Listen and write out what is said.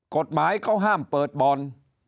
กฎหมายเขาห้ามเปิดบ่อน